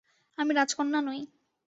আমি রাজকন্যা নই।